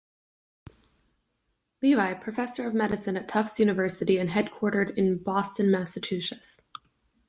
Levy, Professor of Medicine at Tufts University and headquartered in Boston, Massachusetts.